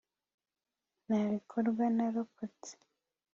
nibikorwa narokotse